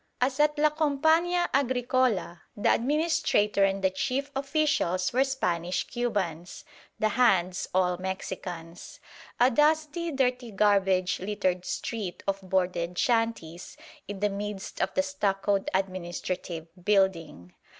As at La Compañía Agricola, the administrator and the chief officials were Spanish Cubans, the "hands" all Mexicans. A dusty, dirty garbage littered street of boarded shanties; in the midst the stuccoed administrative building.